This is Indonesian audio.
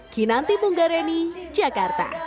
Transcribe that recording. kinanti bung gareni jakarta